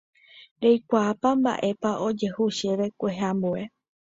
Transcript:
Reikuaápa mba'épa ojehu chéve kueheambue.